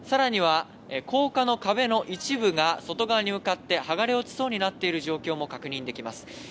さらには高架の壁の一部が外側に向かって剥がれ落ちそうになっている状況も確認できます。